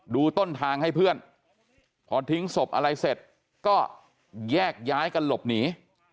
ต้นทางให้เพื่อนพอทิ้งศพอะไรเสร็จก็แยกย้ายกันหลบหนี